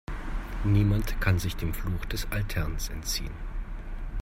Niemand kann sich dem Fluch des Alterns entziehen.